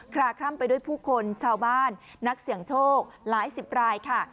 ลาคล่ำไปด้วยผู้คนชาวบ้านนักเสี่ยงโชคหลายสิบรายค่ะ